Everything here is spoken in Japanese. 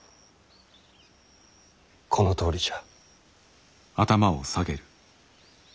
このとおりじゃ。